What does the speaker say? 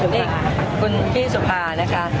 ที่พี่สุภานะคะ